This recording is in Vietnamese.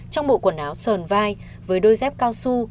trong bộ quần áo sờn vai với đôi dép cao su